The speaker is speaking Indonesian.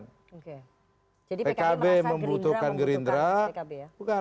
jadi pkb merasa gerindra membutuhkan pkb ya